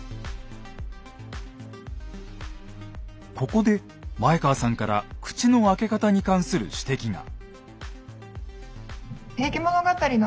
ここで前川さんから口の開け方に関する指摘が。